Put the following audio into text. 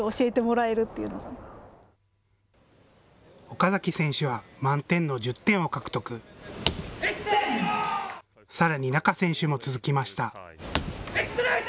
岡崎選手は満点の１０点を獲得、さらに仲選手も続きました。